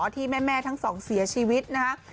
ที่แม่ทั้งสองเสียชีวิตนะคะ